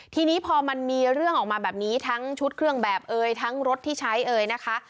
ทีนี้พอมันมีเรื่องออกมาแบบนี้ทั้งชุดเครื่องแบบเอ่ยทั้งรถที่ใช้เอ่ยนะคะ